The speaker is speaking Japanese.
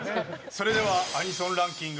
それでは、アニソンランキング